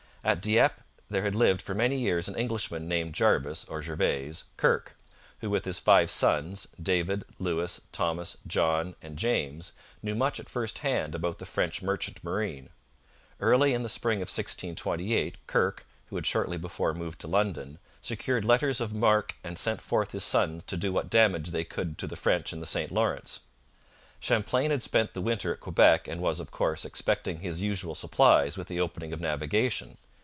At Dieppe there had lived for many years an Englishman named Jarvis, or Gervase, Kirke, who with his five sons David, Lewis, Thomas, John, and Jamesknew much at first hand about the French merchant marine. Early in the spring of 1628 Kirke (who had shortly before moved to London) secured letters of marque and sent forth his sons to do what damage they could to the French in the St Lawrence. Champlain had spent the winter at Quebec and was, of course, expecting his usual supplies with the opening of navigation.